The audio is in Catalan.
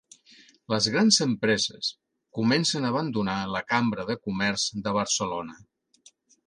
Les grans empreses comencen a abandonar la Cambra de Comerç de Barcelona.